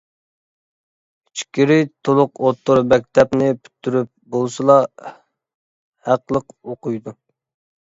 ئىچكىرى تولۇق ئوتتۇرا مەكتەپنى پۈتتۈرۈپ بولسىلا ھەقلىق ئوقۇيدۇ.